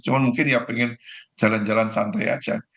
cuma mungkin ya pengen jalan jalan santai aja